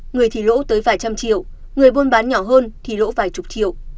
người thì lỗ tới vài trăm triệu người buôn bán nhỏ hơn thì lỗ vài chục triệu